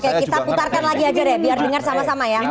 oke kita putarkan lagi aja deh biar dengar sama sama ya